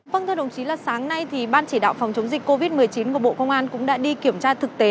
vâng thưa đồng chí là sáng nay ban chỉ đạo phòng chống dịch covid một mươi chín của bộ công an cũng đã đi kiểm tra thực tế